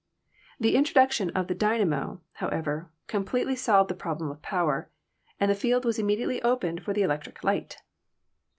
The introduction of the dy namo, however, completely solved the problem of power, and the field was immediately opened for the electric light.